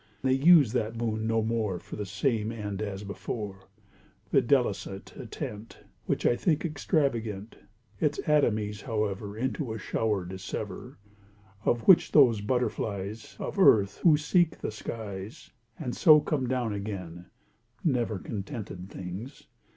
They use that moon no more For the same end as before— Videlicet a tent— Which I think extravagant: Its atomies, however, Into a shower dissever, Of which those butterflies, Of Earth, who seek the skies, And so come down again (Never contented things!)